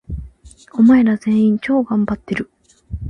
お前ら、全員、超がんばっている！！！